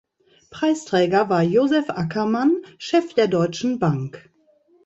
Preisträger war Josef Ackermann, Chef der Deutschen Bank.